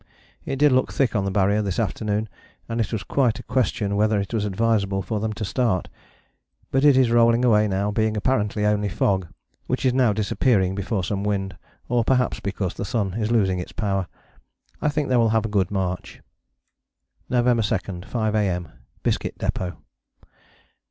It did look thick on the Barrier this afternoon, and it was quite a question whether it was advisable for them to start. But it is rolling away now, being apparently only fog, which is now disappearing before some wind, or perhaps because the sun is losing its power. I think they will have a good march. November 2, 5 A.M. _Biscuit Depôt.